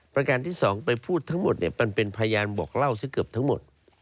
ประการที่สองไปพูดทั้งหมดมันเป็นพยานบอกเล่าซะเกือบทั้งหมด